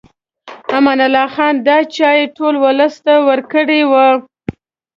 امان الله خان دا چای ټول ولس ته ورکړی و.